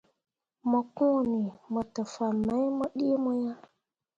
Mo kõoni mo te fah mai mu ɗii mo ah.